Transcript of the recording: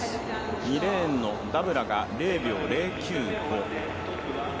２レーンのダブラが０秒０９５。